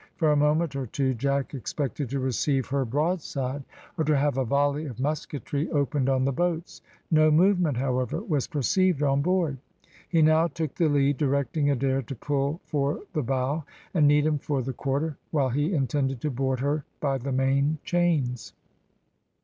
For a moment or two Jack expected to receive her broadside, or to have a volley of musketry opened on the boats. No movement, however, was perceived on board. He now took the lead, directing Adair to pull for the bow, and Needham for the quarter, while he intended to board her by the main chains.